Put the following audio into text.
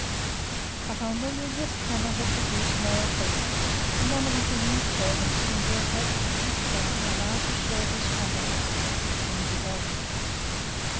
But on William this clamour had produced no effect; and none of his English servants seems to have had at this time a larger share of his confidence than Godolphin.